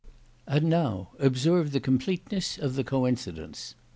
"And now observe the completeness of the coincidence.